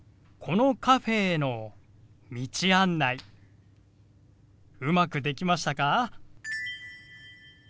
このカフェへの道案内うまくできましたか？